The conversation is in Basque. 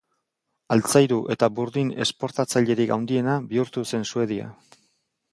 Altzairu eta burdin esportatzailerik handiena bihurtu zen Suedia.